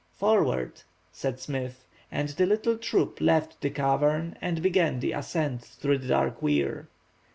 "Forward!" said Smith; and the little troop left the cavern and began the ascent through the dark weir.